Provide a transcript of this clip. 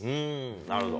なるほど。